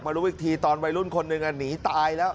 รู้อีกทีตอนวัยรุ่นคนหนึ่งหนีตายแล้ว